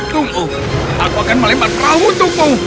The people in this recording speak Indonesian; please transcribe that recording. tunggu aku akan melempar perahu untukmu